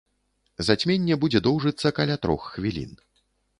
Зацьменне будзе доўжыцца каля трох хвілін.